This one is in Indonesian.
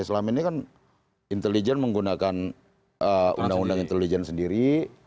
selama ini kan intelijen menggunakan undang undang intelijen sendiri